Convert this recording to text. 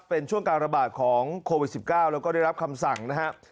เป็นช่วงการระบาดของโควิด๑๙แล้วก็ได้รับคำสั่งนะครับ